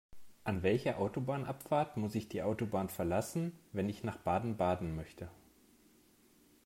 An welcher Autobahnabfahrt muss ich die Autobahn verlassen, wenn ich nach Baden-Baden möchte?